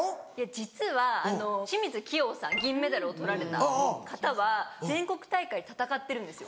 実は清水希容さん銀メダルを取られた方は全国大会戦ってるんですよ。